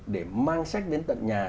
để mang sách đến tận nhà